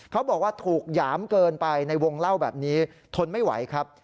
เขาบอกว่าถูกหยามเกินไปในวงเล่าแบบนี้ทนไม่ไหวครับ